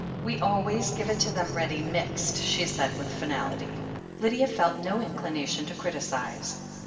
"We always give it to them ready mixed," she said with finality. Lydia felt no inclination to criticize.